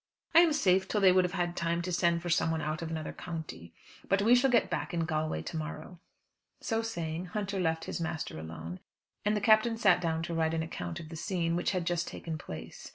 I am safe till they would have had time to send for someone out of another county. But we shall be back in Galway to morrow." So saying, Hunter left his master alone, and the Captain sat down to write an account of the scene which had just taken place.